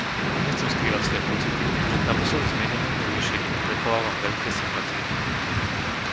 Nechcem skrývať svoje pocity, že k naposledy zmienenému riešeniu prechovávam veľké sympatie.